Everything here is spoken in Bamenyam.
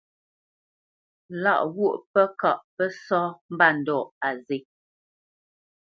Lâʼ ghwô pə́ kâʼ pə́ sá mbândɔ̂ á zê.